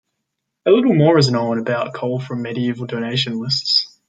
A little more is known about Kol from medieval donation lists.